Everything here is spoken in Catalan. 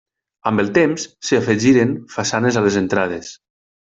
Amb el temps s'hi afegiren façanes a les entrades.